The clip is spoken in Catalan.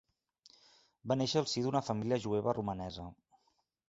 Va néixer al si d'una família jueva romanesa.